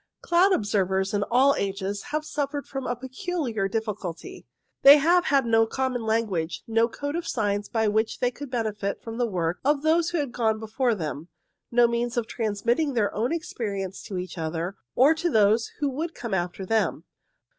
Cloud observers, in all ages, have suffered from a peculiar difficulty. They have had no common language, no code of signs by which they could benefit from the work of those who had gone before them, no means of transmitting their own experience to each other, or to those who would come after them.